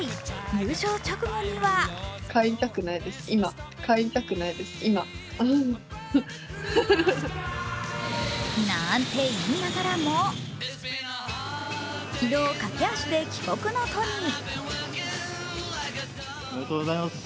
優勝直後にはなんて言いながらも、昨日、駆け足で帰国の途に。